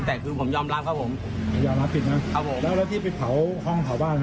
แต่คือผมยอมรับครับผมผมยอมรับผิดนะครับผมแล้วแล้วที่ไปเผาห้องเผาบ้าน